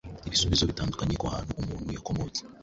ibisubizo bitandukanye ku hantu umuntu yakomotse,